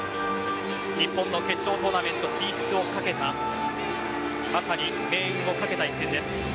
日本の決勝トーナメント進出を懸けたまさに命運を懸けた一戦です。